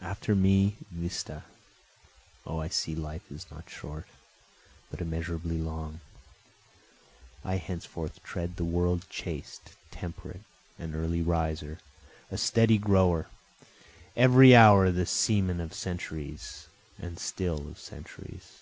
After me, vista! O I see life is not short, but immeasurably long, I henceforth tread the world chaste, temperate, an early riser, a steady grower, Every hour the semen of centuries, and still of centuries.